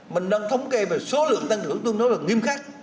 mình đang thống kê về số lượng tăng trưởng tôi nói là nghiêm khắc